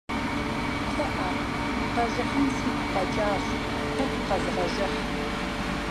КъыӀэ, къэжыхьын сигу къэкӀащ, тӀэкӀу къэзгъэжыхь.